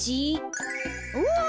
うわ！